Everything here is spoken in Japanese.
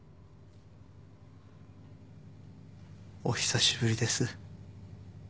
お久しぶりです